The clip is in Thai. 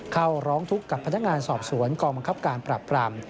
เข้าร้องทุกข์กับพนักงานสอบสวนกองบังคับการปรับปราม